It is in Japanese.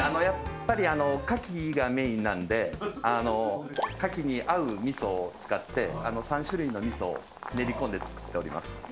やっぱりカキがメインなんでカキに合う味噌を使って３種類の味噌を練り込んで作っております。